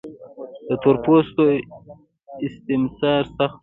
د تور پوستو استثمار سخت شو.